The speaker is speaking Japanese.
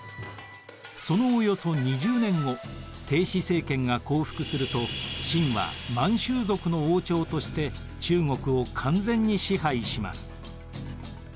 そのおよそ２０年後氏政権が降伏すると清は満州族の王朝として中国を完全に支配します。